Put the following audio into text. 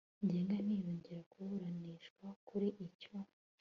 ngenga ntiyongera kuburanishwa kuri icyo